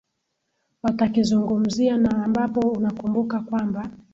watakizungumzia na ambapo unakumbuka kwamba